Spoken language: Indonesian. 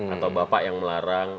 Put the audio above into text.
atau bapak yang melarang